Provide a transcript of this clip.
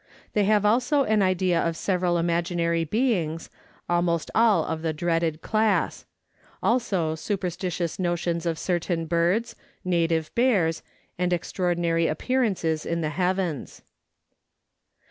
They have also an idea of several imaginary Letters from Victorian Pioneers. G9 beings, almost all of the dreaded class ; also superstitious notions of certain birds, native bears, and extraordinary appearances in the heavens.